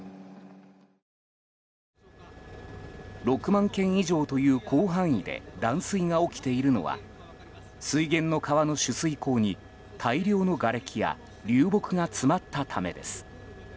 ６万軒以上という広範囲で断水が起きているのは水源の川の取水口に大量のがれきや流木が詰まったためです。